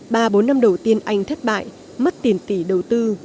ba bốn năm đầu tiên anh thất bại mất tiền tỷ đầu tư